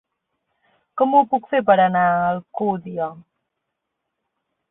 Com ho puc fer per anar a Alcúdia?